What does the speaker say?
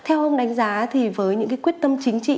theo ông đánh giá thì với những quyết tâm chính trị